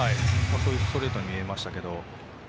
ストレートに見えましたけど。